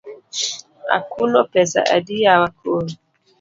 Akuno pesa adi yawa koro?